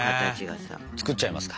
作っちゃいますか。